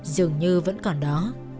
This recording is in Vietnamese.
dường như vẫn còn đó